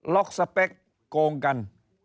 ล็อกสเปคโครงกัน